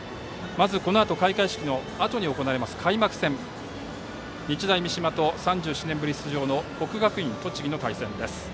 まず、このあと開会式のあとに行われます開幕戦は、日大三島と３７年ぶり出場の国学院栃木の対戦です。